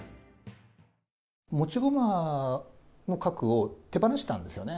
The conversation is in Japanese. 持ち駒の角を手放したんですよね。